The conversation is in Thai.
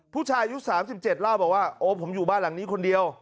ผู้ชายอายุ๓๗เล่าบอกว่าโอ้ผมอยู่บ้านหลังนี้คนเดียว